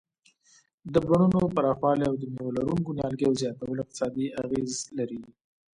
د بڼونو پراخوالی او د مېوه لرونکو نیالګیو زیاتول اقتصادي اغیز لري.